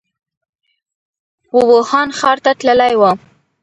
ووهان ښار ته تللی و.